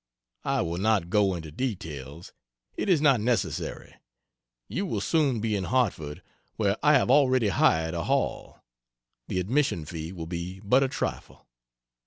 I will not go into details; it is not necessary; you will soon be in Hartford, where I have already hired a hall; the admission fee will be but a trifle.